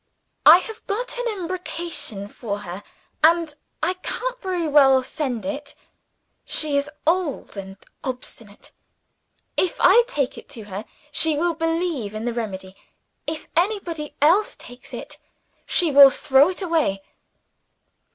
"I have got an embrocation for her; and I can't very well send it. She is old and obstinate. If I take it to her, she will believe in the remedy. If anybody else takes it, she will throw it away.